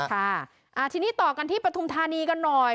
ค่ะทีนี้ต่อกันที่ปฐุมธานีกันหน่อย